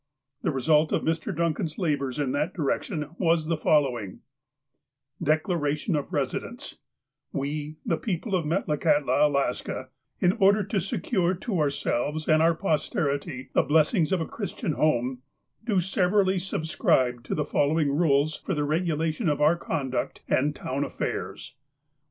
The result of Mr. Duncan's labours in that direction was the following : Declaration of Residents " We, the people of Metlakahtla, Alaska, in order to secure to ourselves and our posterity the blessings of a Christian home, do severally subscribe to the following rules for the regulation of our conduct and town affairs : "I.